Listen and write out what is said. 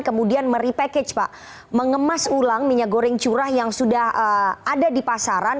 kemudian merepackage pak mengemas ulang minyak goreng curah yang sudah ada di pasaran